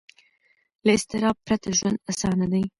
له اضطراب پرته ژوند اسانه دی.